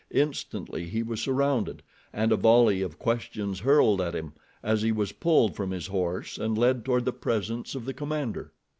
Instantly he was surrounded, and a volley of questions hurled at him, as he was pulled from his horse and led toward the presence of the commander.